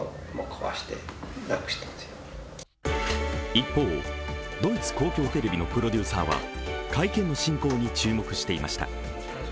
一方、ドイツ公共テレビのプロデューサーは会見の進行に注目していました。